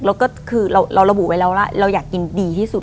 แล้วก็คือเราระบุไว้แล้วว่าเราอยากกินดีที่สุด